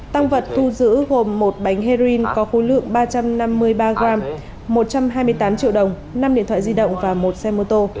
tăng vật thu giữ gồm một bánh heroin có khối lượng ba trăm năm mươi ba gram một trăm hai mươi tám triệu đồng năm điện thoại di động và một xe mô tô